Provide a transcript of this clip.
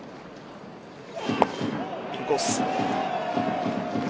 インコース。